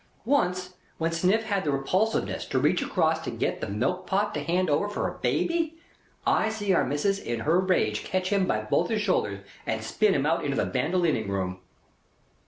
Once, when Sniff had the repulsiveness to reach across to get the milk pot to hand over for a baby, I see Our Missis in her rage catch him by both his shoulders and spin him out into the Bandolining Room.